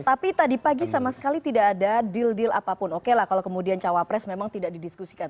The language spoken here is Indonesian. tapi tadi pagi sama sekali tidak ada deal deal apapun oke lah kalau kemudian cawapres memang tidak didiskusikan